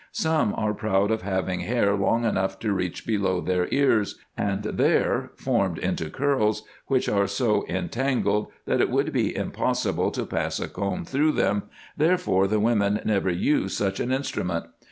Some are proud of having hair long enough to reach below their ears, and there formed into curls which are so entangled, that it would be impossible to pass a comb through them, therefore the women never use such an instru ment.